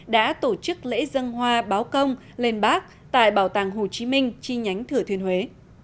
đã tổ chức lễ dân hoa báo công lên bác tại bảo tàng hồ chí minh chi nhánh thừa thiên huế